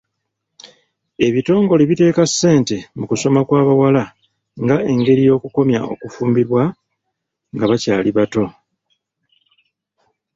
Ebitongole biteeka ssente mu kusoma kw'abawala nga engeri y'okukomya okufumbirwa nga bakyali bato.